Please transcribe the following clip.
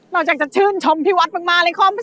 เราอยากชื่นชมประมาณเลยครับ